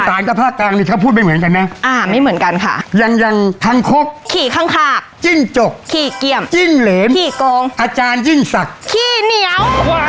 อีศาลกระภาคกลางนี่ค่ะพูดไม่เหมือนกันมีทางครบขี่คังขากจิ้นจกขี่เกี่ยมจิ้นเหลมขี่โกงอาจารย์จิ้นสักขี่เหนียว